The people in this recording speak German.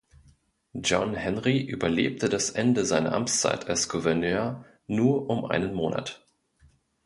John Henry überlebte das Ende seiner Amtszeit als Gouverneur nur um einen Monat.